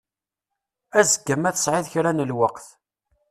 Azekka ma tesɛiḍ kra n lweqt.